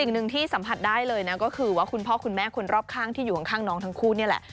สิ่งหนึ่งที่สัมผัสได้เลยนะก็คือว่าคุณพ่อคุณแม่คนรอบข้างที่อยู่ข้างน้องทั้งคู่นี่แหละ